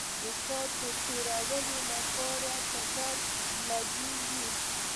د ساعت تیرۍ لپاره په درد لګېږي.